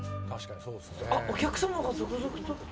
お客様が続々と。